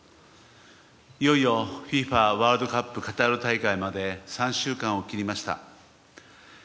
いよいよＦＩＦＡワールドカップカタール大会まで３週間を切りました。